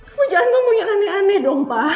kamu jangan ngomong yang aneh aneh dong pak